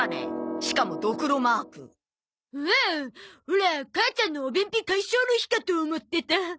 オラ母ちゃんのお便秘解消の日かと思ってた。